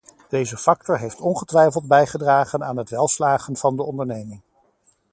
Deze factor heeft ongetwijfeld bijgedragen aan het welslagen van de onderneming.